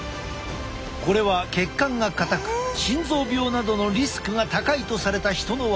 これは血管が硬く心臓病などのリスクが高いとされた人の割合だ。